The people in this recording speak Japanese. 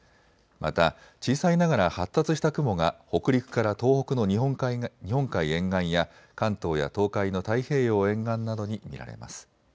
また小さいながら発達した雲が北陸から東北の日本海沿岸や関東や東海の太平洋沿岸などに見られます。